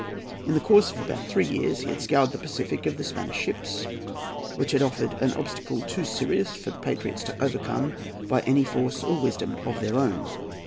In the course of about three years he had scoured the Pacific of the Spanish ships, which had offered an obstacle too serious for the patriots to overcome by any force or wisdom of their own.